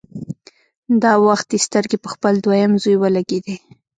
دا وخت يې سترګې په خپل دويم زوی ولګېدې.